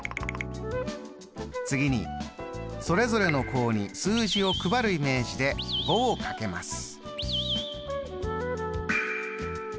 次にそれぞれの項に数字を配るイメージで５をかけます。